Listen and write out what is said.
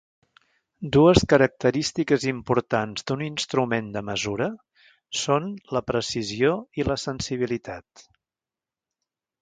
Dues característiques importants d'un instrument de mesura són la precisió i la sensibilitat.